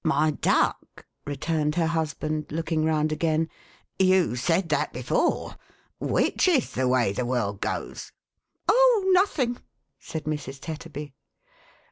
" "My duck," returned her husband, look ing round again, "you said that before. Which is the way the world goes ?" "Oh, n o thing !" said Mrs. Tetterby.